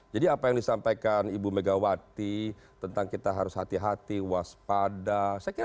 jadi apa yang disampaikan ibu megawati tentang kita harus hati hati waspada saya kira